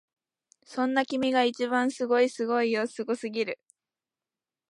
そんな君が一番すごいすごいよすごすぎる！